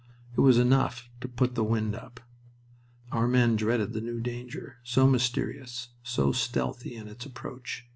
It was enough to "put the wind up." Our men dreaded the new danger, so mysterious, so stealthy in its approach.